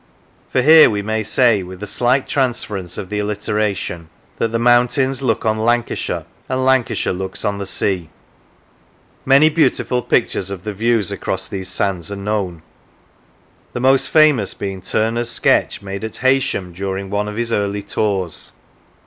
For here we may say, with a slight transference of the alliteration, that the mountains look on Lan cashire, and Lancashire looks on the sea. Many beautiful pictures of the views across these sands are known, the most famous being Turner's sketch made at Heysham during one of his early tours.